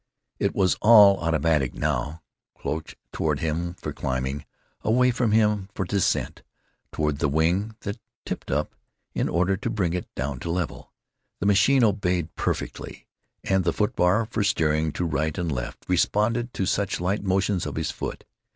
It was all automatic now—cloche toward him for climbing; away from him for descent; toward the wing that tipped up, in order to bring it down to level. The machine obeyed perfectly. And the foot bar, for steering to right and left, responded to such light motions of his foot.